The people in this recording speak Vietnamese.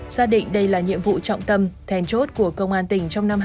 xác định đây là nhiệm vụ trọng tâm thèn chốt của công an tỉnh trong năm hai nghìn hai mươi ba